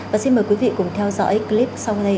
và xin mời quý vị cùng theo dõi clip sau đây